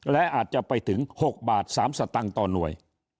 และอาจจะไปถึง๖๐๓บาทต่อหน่วย